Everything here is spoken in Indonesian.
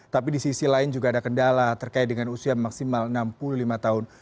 tapi di sisi lain juga ada kendala terkait dengan usia maksimal enam puluh lima tahun